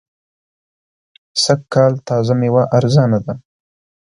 سږ کال تازه مېوه ارزانه ده.